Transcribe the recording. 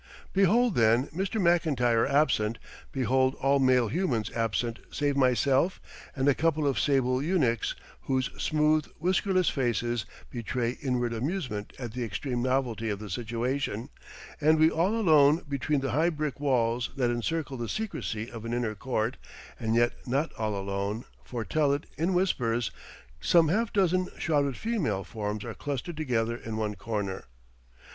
Behold, then, Mr. Mclntyre absent; behold all male humans absent save myself and a couple of sable eunuchs, whose smooth, whiskerless faces betray inward amusement at the extreme novelty of the situation, and we all alone between the high brick walls that encircle the secrecy of an inner court and yet not all alone, fortell it in whispers some half dozen shrouded female forms are clustered together in one corner.